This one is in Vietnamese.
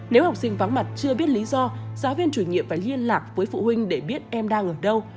nếu học sinh vắng mặt chưa biết lý do giáo viên chủ nhiệm phải liên lạc với phụ huynh để biết em đang ở đâu